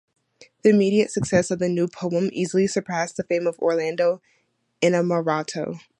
The immediate success of the new poem easily surpassed the fame of "Orlando Innamorato".